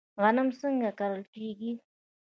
غنم څنګه کرل کیږي؟